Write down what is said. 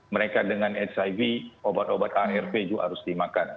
mereka dengan hiv obat obat arv juga harus dimakan